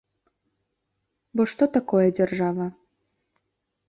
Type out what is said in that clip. Бо што такое дзяржава?